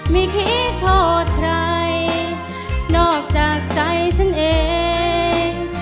ไม่คิดโทษใครนอกจากใจฉันเอง